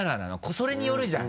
それによるじゃん